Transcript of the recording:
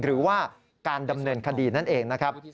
หรือว่าการดำเนินคดีนั่นเองนะครับ